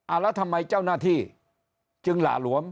แล้วทำไมเจ้าหน้าที่จึงหล่าหลวม